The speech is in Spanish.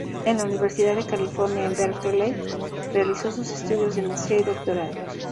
En la Universidad de California en Berkeley, realizó sus estudios de maestría y doctorado.